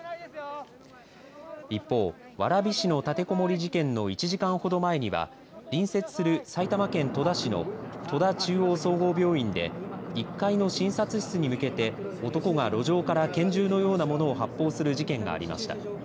一方、蕨市の立てこもり事件の１時間ほど前には隣接する埼玉県戸田市の戸田中央総合病院で１階の診察室に向けて男が路上から拳銃のようなものを発砲する事件がありました。